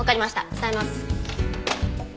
伝えます。